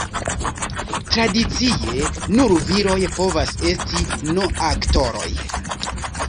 Tradicie, nur viroj povas esti no-aktoroj.